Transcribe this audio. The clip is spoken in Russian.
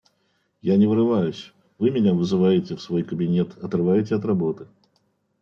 Я не врываюсь, Вы меня вызываете в свой кабинет, отрываете от работы.